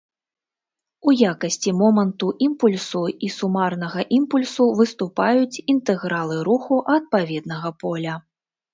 У якасці моманту імпульсу і сумарнага імпульсу выступаюць інтэгралы руху адпаведнага поля.